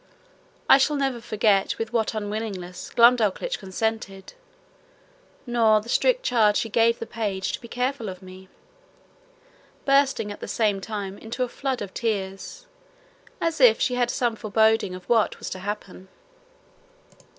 I shall never forget with what unwillingness Glumdalclitch consented, nor the strict charge she gave the page to be careful of me, bursting at the same time into a flood of tears, as if she had some forboding of what was to happen.